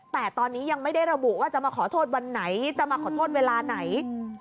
แต่ตอนนี้ยังไม่ได้ระบุว่าจะมาขอโทษวันไหนจะมาขอโทษเวลาไหน